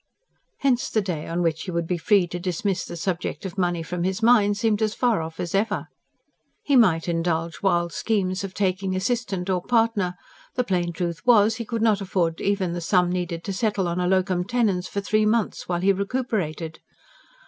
Hence the day on which he would be free to dismiss the subject of money from his mind seemed as far off as ever. He might indulge wild schemes of taking assistant or partner; the plain truth was, he could not afford even the sum needed to settle in a LOCUM TENENS for three months, while he recuperated.